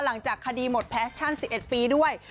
หลังจากคดีหมดแพชชั่น๑๑ปีด้วย